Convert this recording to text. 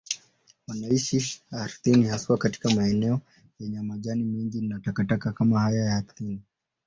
Wanaishi ardhini, haswa katika maeneo yenye majani mengi na takataka kama haya ardhini.